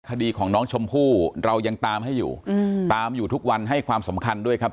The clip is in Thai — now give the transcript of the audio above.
คดีของน้องชมพู่เรายังตามให้อยู่ตามอยู่ทุกวันให้ความสำคัญด้วยครับ